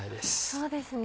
そうですね。